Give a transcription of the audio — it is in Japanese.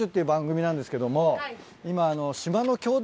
今。